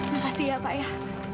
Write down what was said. makasih ya pak ya